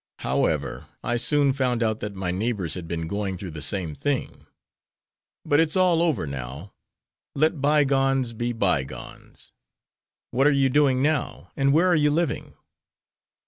However, I soon found out that my neighbors had been going through the same thing. But its all over now. Let by gones be by gones. What are you doing now, and where are you living?"